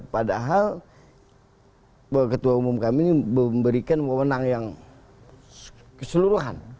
padahal ketua umum kami memberikan mewenang yang keseluruhan